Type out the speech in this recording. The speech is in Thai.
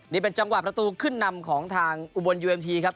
นี่เป็นจังหวะประตูขึ้นนำของทางอุบลยูเอ็มทีครับ